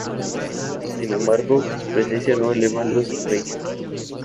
Sin embargo, su presencia no eleva los ratings.